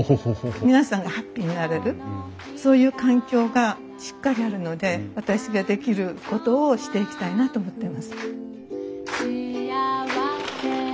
皆さんがハッピーになれるそういう環境がしっかりあるので私ができることをしていきたいなと思ってます。